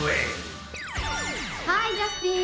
ハーイジャスティン。